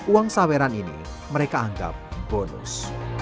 uang saweran ini mereka anggap bonus